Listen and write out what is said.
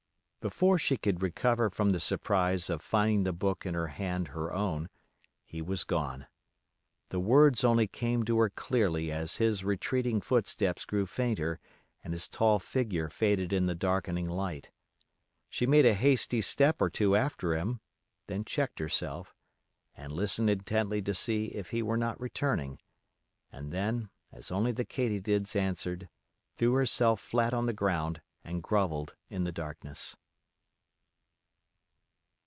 Before she could recover from the surprise of finding the book in her hand her own, he was gone. The words only came to her clearly as his retreating footsteps grew fainter and his tall figure faded in the darkening light. She made a hasty step or two after him, then checked herself and listened intently to see if he were not returning, and then, as only the katydids answered, threw herself flat on the ground and grovelled in the darkness.